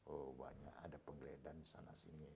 oh banyak ada penggeledahan di sana sini